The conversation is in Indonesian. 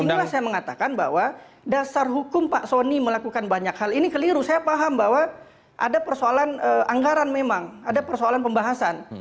inilah saya mengatakan bahwa dasar hukum pak soni melakukan banyak hal ini keliru saya paham bahwa ada persoalan anggaran memang ada persoalan pembahasan